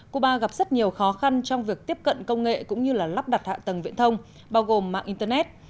cuba gặp rất nhiều khó khăn trong việc tiếp cận công nghệ cũng như lắp đặt hạ tầng viễn thông bao gồm mạng internet